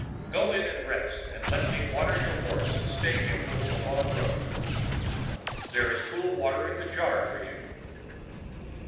Go in and rest, and let me water your horse and stake him with the long rope. There is cool water in the jar for you."